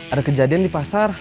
ada kejadian di pasar